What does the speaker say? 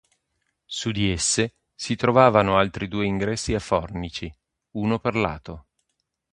Su di esse si trovavano altri due ingressi a fornici, uno per lato.